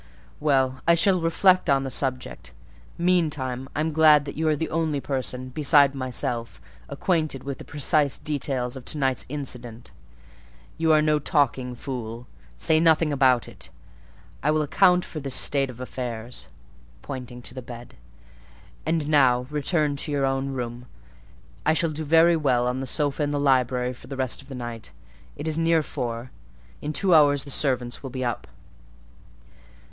Well, I shall reflect on the subject. Meantime, I am glad that you are the only person, besides myself, acquainted with the precise details of to night's incident. You are no talking fool: say nothing about it. I will account for this state of affairs" (pointing to the bed): "and now return to your own room. I shall do very well on the sofa in the library for the rest of the night. It is near four:—in two hours the servants will be up."